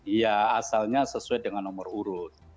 iya asalnya sesuai dengan nomor urut